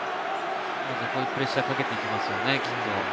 こういうプレッシャーをかけていきますよね。